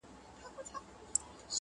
پخوانیو زمانو کي یو دهقان وو!